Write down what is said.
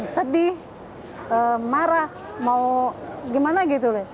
sedih marah mau gimana gitu loh